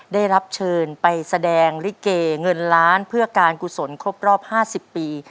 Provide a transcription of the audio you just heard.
ได้รับเชิญไปแสดงลิเกเงินล้านเพื่อการกุศลครบรอบ๕๐ปี